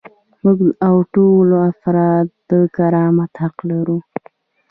موږ او ټول افراد د کرامت حق لرو.